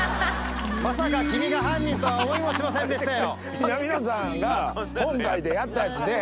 まさか君が犯人とは思いもしませんでしたよ。